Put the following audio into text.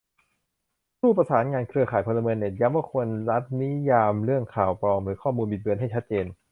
ผู้ประสานงานเครือข่ายพลเมืองเน็ตย้ำว่าควรรัฐนิยามเรื่องข่าวปลอม หรือ ข้อมูลบิดเบือนให้ชัดเจน